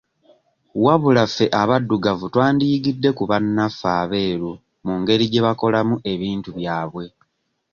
Wabula ffe abaddugavu twandiyigidde ku bannaffe abeeru mu ngeri gye bakolamu ebintu byabwe.